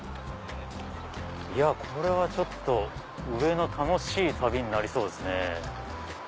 これはちょっと上野楽しい旅になりそうですね。